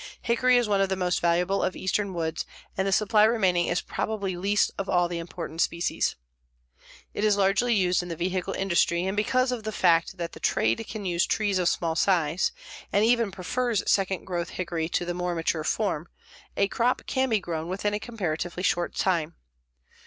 Hickory is one of the most valuable of eastern woods, and the supply remaining is probably least of all the important species. It is largely used in the vehicle industry, and because of the fact that the trade can use trees of small size, and even prefers "second growth" hickory to the more mature form, a crop can be grown within a comparatively short time.